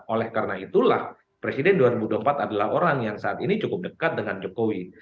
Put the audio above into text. oleh karena itulah presiden dua ribu dua puluh empat adalah orang yang saat ini cukup dekat dengan jokowi